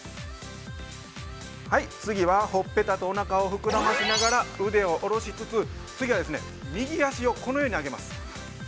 次はほっぺたとおなかを膨らませながら、腕をおろしつつ次は右脚をこのように上げます。